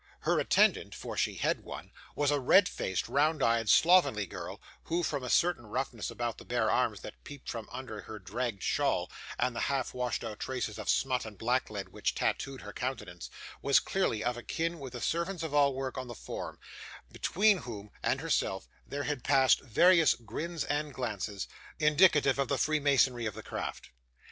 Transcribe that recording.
Her attendant for she had one was a red faced, round eyed, slovenly girl, who, from a certain roughness about the bare arms that peeped from under her draggled shawl, and the half washed out traces of smut and blacklead which tattooed her countenance, was clearly of a kin with the servants of all work on the form: between whom and herself there had passed various grins and glances, indicative of the freemasonry of the craft.